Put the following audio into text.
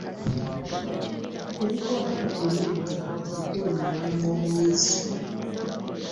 Ebikwata ku kuyigga bikulu mu bulamu bw'omuyizzi.